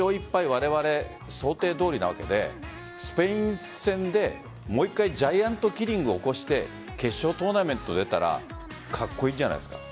われわれ、想定どおりなわけでスペイン戦でもう１回ジャイアントキリングを起こして決勝トーナメント出たらカッコイイんじゃないですか？